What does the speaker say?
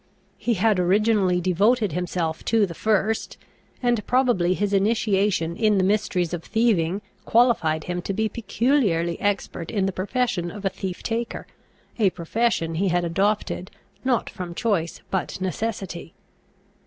He had originally devoted himself to the first; and probably his initiation in the mysteries of thieving qualified him to be peculiarly expert in the profession of a thief taker a profession he had adopted, not from choice, but necessity.